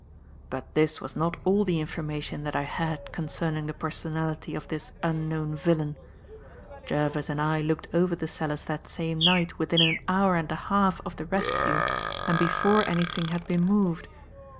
"But this was not all the information that I had concerning the personality of this unknown villain. Jervis and I looked over the cellars that same night within an hour and a half of the rescue and before anything had been moved.